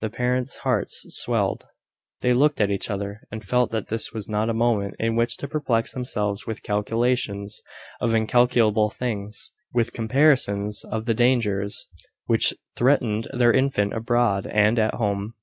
The parents' hearts swelled. They looked at each other, and felt that this was not a moment in which to perplex themselves with calculations of incalculable things with comparisons of the dangers which threatened their infant abroad and at home.